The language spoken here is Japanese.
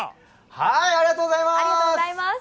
ありがとうございます。